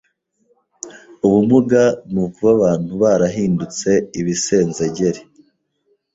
Ubumuga nukuba abantu barahindutse ibisenzegeri